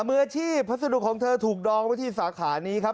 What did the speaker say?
มืออาชีพพัสดุของเธอถูกดองไว้ที่สาขานี้ครับ